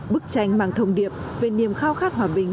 bức tranh mang thông điệp về niềm khao khát hòa bình